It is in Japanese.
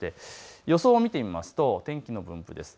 予想を見てみますと天気の分布です。